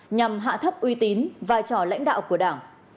nhằm hạ thấp uy tín vai trò lãnh đạo của đảng